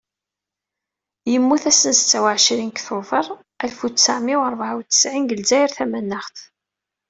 Yemmut ass n, setta u εecrin deg tuber alef u tesεemya u rebεa u tesεin, deg Lezzayer Tamaneɣt.